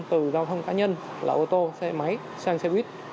từ giao thông cá nhân là ô tô xe máy sang xe buýt